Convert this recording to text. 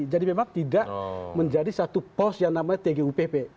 jadi memang tidak menjadi satu pos yang namanya tgupp